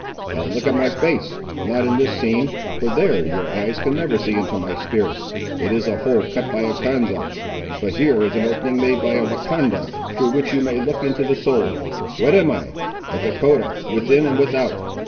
Now look at my face; not in this seam, for there your eyes can never see into my spirit. It is a hole cut by a Konza. But here is an opening made by the Wahcondah, through which you may look into the soul. What am I? A Dahcotah, within and without.